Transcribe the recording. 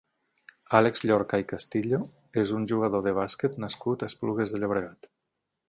Àlex Llorca i Castillo és un jugador de bàsquet nascut a Esplugues de Llobregat.